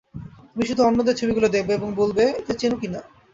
তুমি শুধু অন্যদের ছবিগুলো দেখবে এবং বলবে এদের চেন কি না।